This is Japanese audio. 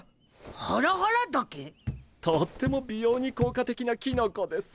とっても美容に効果的なきのこです。